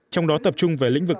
trong đó tập trung về lĩnh vực